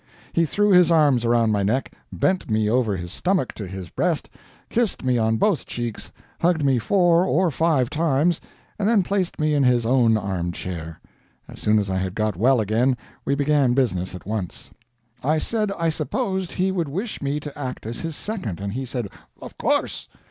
He threw his arms around my neck, bent me over his stomach to his breast, kissed me on both cheeks, hugged me four or five times, and then placed me in his own arm chair. As soon as I had got well again, we began business at once. I said I supposed he would wish me to act as his second, and he said, "Of course."